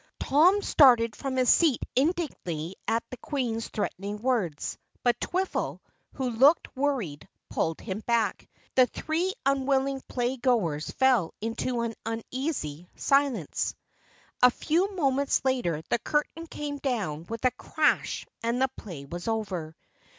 Tom started from his seat indignantly at the Queen's threatening words, but Twiffle, who looked worried, pulled him back. The three unwilling play goers fell into an uneasy silence. A few moments later the curtain came down with a crash and the play was over.